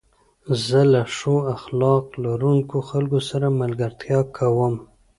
زه له ښو اخلاق لرونکو خلکو سره ملګرتيا کوم.